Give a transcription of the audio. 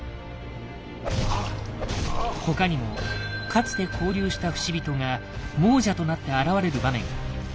他にもかつて交流した不死人が亡者となって現れる場面が。